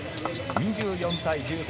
２４対１３。